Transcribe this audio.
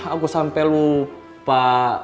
aku sampai lupa